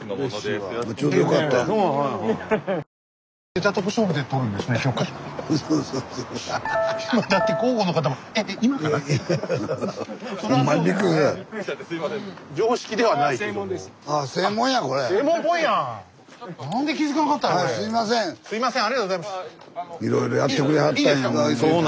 スタジオいろいろやってくれはったんやもう。